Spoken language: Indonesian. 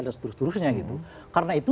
dan seterusnya karena itu